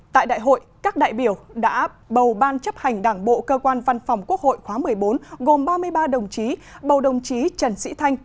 tại đại hội các đại biểu đã bầu ban chấp hành đảng bộ cơ quan văn phòng quốc hội khóa một mươi bốn gồm ba mươi ba đồng chí bầu đồng chí trần sĩ thanh